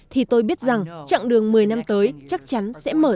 thì tôi biết rằng chặng đường một mươi năm tới chắc chắn sẽ mở rộng